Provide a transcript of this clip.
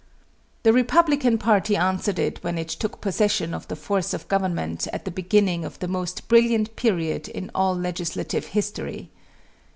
The Republican party answered it when it took possession of the force of government at the beginning of the most brilliant period in all legislative history.